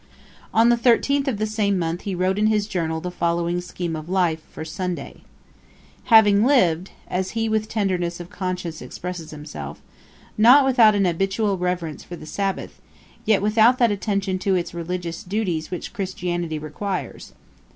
On the 13th of the same month he wrote in his Journal the following scheme of life, for Sunday: 'Having lived' (as he with tenderness of conscience expresses himself) 'not without an habitual reverence for the Sabbath, yet without that attention to its religious duties which Christianity requires; '1.